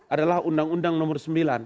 adalah undang undang nomor sembilan